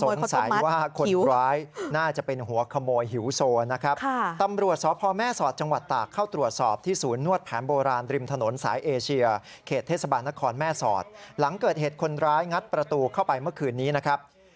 สงสัยว่าคนร้ายน่าจะเป็นหัวขโมยหิวโสนะครับ